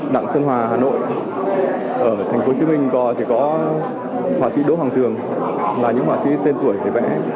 đặng sơn hòa ở hà nội ở thành phố hồ chí minh có họa sĩ đỗ hoàng thường là những họa sĩ tên tuổi để vẽ